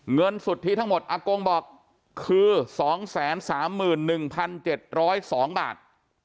เงินสุดที่ทั้งหมดอบคือ๒๓๑๗๐๒บาท